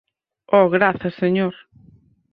Oh, grazas, señor.